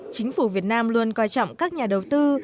chính phủ việt nam luôn coi trọng các nhà đầu tư